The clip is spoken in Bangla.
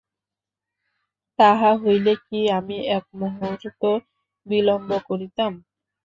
তাহা হইলে কি আমি এক মুহূর্ত বিলম্ব করিতাম।